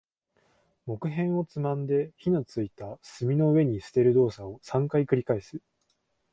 木片をつまんで、火の付いた炭の上に捨てる動作を三回繰り返す。